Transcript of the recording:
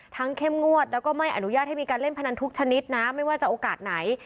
เข้มงวดแล้วก็ไม่อนุญาตให้มีการเล่นพนันทุกชนิดนะไม่ว่าจะโอกาสไหน